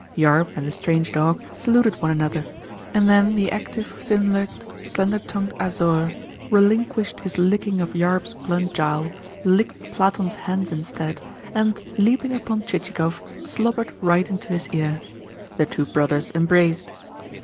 Yarb and the strange dog saluted one another, and then the active, thin legged, slender tongued Azor relinquished his licking of Yarb's blunt jowl, licked Platon's hands instead, and, leaping upon Chichikov, slobbered right into his ear. The two brothers embraced.